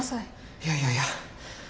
いやいやいや。